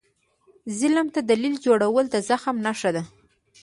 ظالم ته دلیل جوړول د زخم نښه ده.